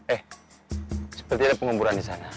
eh seperti ada penguburan di sana